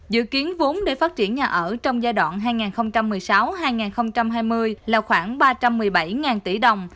dự kiến vốn để phát triển nhà ở trong giai đoạn hai nghìn một mươi sáu hai nghìn hai mươi là khoảng ba trăm một mươi bảy tỷ đồng